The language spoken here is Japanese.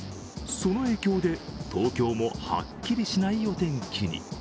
その影響で、東京もはっきりしないお天気に。